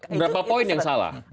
berapa poin yang salah